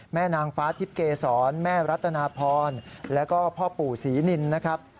นางฟ้าทิพย์เกษรแม่รัตนาพรแล้วก็พ่อปู่ศรีนินนะครับ